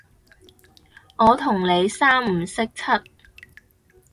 我同你三唔識七